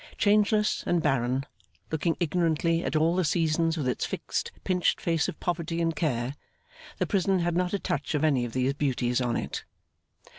Changeless and barren, looking ignorantly at all the seasons with its fixed, pinched face of poverty and care, the prison had not a touch of any of these beauties on it.